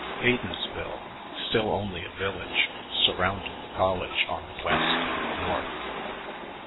Haydensville, still only a village, surrounded the college on the west and north.